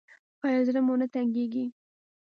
ایا زړه مو تنګیږي؟